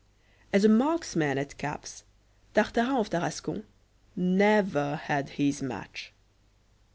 As a marksman at caps, Tartarin of Tarascon never had his match.